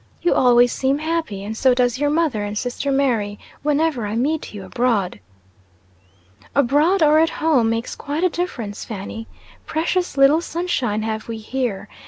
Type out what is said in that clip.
"You always seem happy, and so does your mother and sister Mary, whenever I meet you abroad." "Abroad, or at home, makes quite a difference, Fanny. Precious little sunshine have we here.